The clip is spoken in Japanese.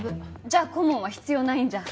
じゃあ顧問は必要ないんじゃ。